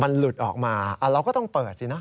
มันหลุดออกมาเราก็ต้องเปิดสินะ